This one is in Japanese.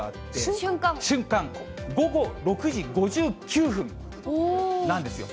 瞬間、午後６時５９分なんですよ。